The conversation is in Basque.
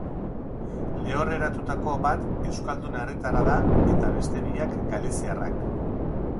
Lehorreratutako bat euskal herritarra da eta beste biak galiziarrak.